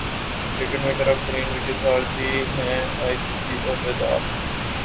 cricket میں corrupt ترین bookies بھارتی ہیں ائی سی سی عہدیدار